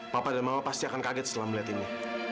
papa dan mama pasti akan kaget setelah melihat ini